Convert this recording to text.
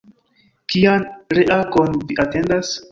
Kian reagon vi atendas?